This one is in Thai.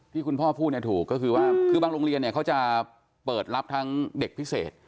ที่คุณพ่อพูดถูกก็คือว่าคือบางโรงเรียนเนี่ยเขาจะเปิดรับทั้งเด็กพิเศษ